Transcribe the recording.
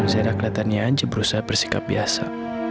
zaira kelihatannya aja berusaha bersikap biasa